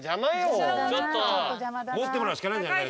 持ってもらうしかないんじゃない？